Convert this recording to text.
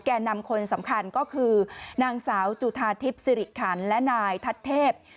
แก่นำคนสำคัญก็คือนางสาวจุธาทิพย์สิริขันและนายทัศเทพ